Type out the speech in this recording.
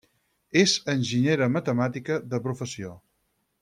És enginyera matemàtica de professió.